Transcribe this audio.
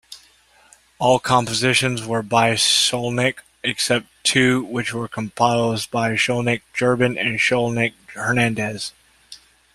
All compositions were by Skolnick, except two which were composed by Skolnick-Joubran and Skolnick-Hernandez.